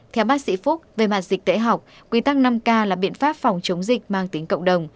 theo bác sĩ phúc về mặt dịch tễ học quy tắc năm k là biện pháp phòng chống dịch mang tính cộng đồng